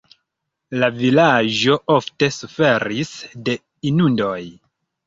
La vilaĝo ofte suferis de inundoj.